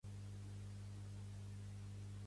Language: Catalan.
L'equip atlètic són els "Griffins".